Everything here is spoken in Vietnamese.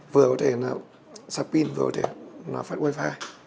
vừa có thể sạc pin vừa có thể phát wifi